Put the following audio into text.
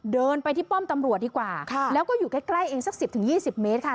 เดินไปที่ป้อมตำรวจดีกว่าค่ะแล้วก็อยู่ใกล้ใกล้เองสักสิบถึงยี่สิบเมตรค่ะ